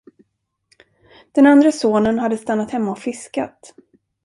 Den andre sonen hade stannat hemma och fiskat.